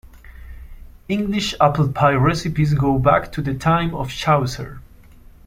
English apple pie recipes go back to the time of Chaucer.